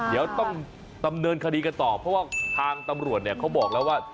เดี๋ยวต้องดำเนินคดีกันต่อเพราะว่าทางตำรวจเนี่ยเขาบอกแล้วว่า